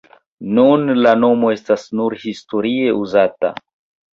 Nun la nomo estas nur historie uzata.